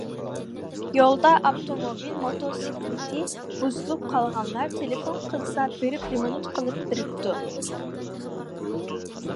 يولدا ئاپتوموبىل، موتوسىكلىتى بۇزۇلۇپ قالغانلار تېلېفون قىلسا بېرىپ رېمونت قىلىپ بېرىپتۇ.